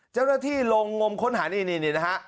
เจ้าหน้าที่ลงงมค้นหานี่นะฮะ